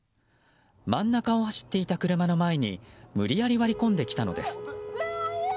真ん中を走っていた車の前に無理やり割り込んできたのです。